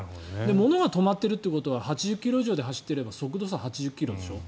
ものが止まっているということは８０ｋｍ以上で走っていれば速度差８０ｋｍでしょ。